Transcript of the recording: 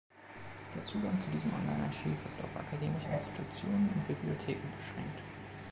Der Zugang zu diesem Online-Archiv ist auf akademische Institutionen und Bibliotheken beschränkt.